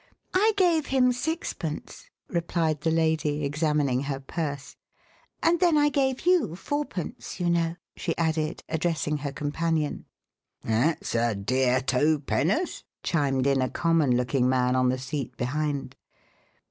"I gave him sixpence," replied the lady, examining her purse. "And then I gave you fourpence, you know," she added, addressing her companion. "That's a dear two pen'oth," chimed in a common looking man on the seat behind.